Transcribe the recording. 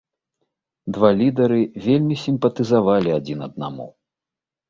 Два лідары вельмі сімпатызавалі адзін аднаму.